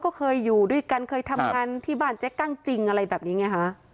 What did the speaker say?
ก็เคยอยู่ด้วยกันเคยทำงานที่บ้านเจ๊กั้งจริงอะไรแบบนี้ไงฮะ